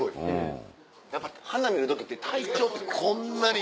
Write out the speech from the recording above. やっぱ花見る時って体調ってこんなに。